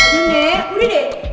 nenek boleh deh